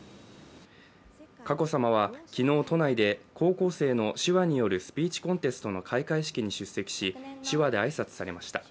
佳子さまは昨日、都内で高校生の手話によるスピーチコンテストの開会式に出席し、手話で挨拶されました。